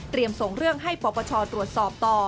เตรียมส่งเรื่องให้ปรปศตรวจสอบต่อ